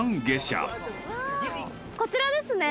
こちらですね。